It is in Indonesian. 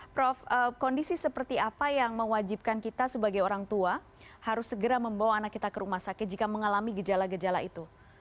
prof kondisi seperti apa yang mewajibkan kita sebagai orang tua harus segera membawa anak kita ke rumah sakit jika mengalami gejala gejala itu